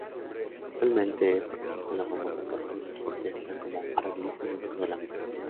Actualmente, participa en la famosa Platinum Orquesta como arreglista y músico de la misma.